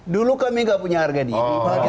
dulu kami gak punya harga diri